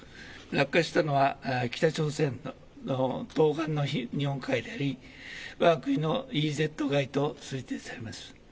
落下したのは北朝鮮の東岸の日本海でありわが国のＥＥＺ外と推定されます。